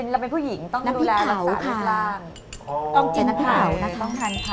เราเป็นผู้หญิงต้องดูแลรักษาลิฟท์ร่างอ๋อต้องกินผัวนะครับต้องกินผัว